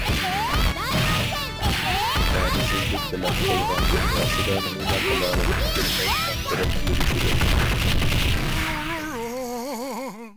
مەنىسىزلىك بىلەن تولغان دۇنياسىدا نېمە قىلارىنى بىلمەي تەمتىلەپ يۈرۈشىدۇ.